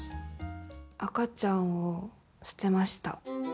赤ちゃんを捨てました。